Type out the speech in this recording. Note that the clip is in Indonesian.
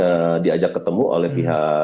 apakah ada perbedaan manakala apa hal hal